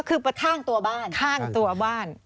ข้างตัวบ้าน